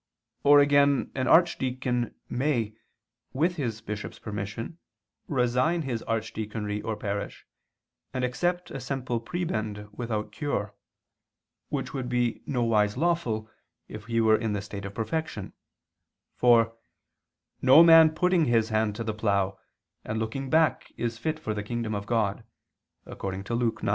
Duae sunt) or again an archdeacon may with his bishop's permission resign his arch deaconry or parish, and accept a simple prebend without cure, which would be nowise lawful, if he were in the state of perfection; for "no man putting his hand to the plough and looking back is fit for the kingdom of God" (Luke 9:62).